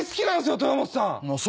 豊本さん？